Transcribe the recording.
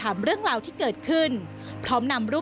ทำไมเราต้องเป็นแบบเสียเงินอะไรขนาดนี้เวรกรรมอะไรนักหนา